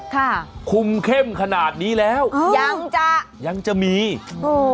ค่ะคุมเข้มขนาดนี้แล้วอ๋อยังจะยังจะมีโอ้โห